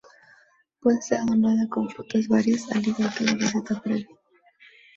Puede ser adornada con frutas varias, al igual que en la receta previa.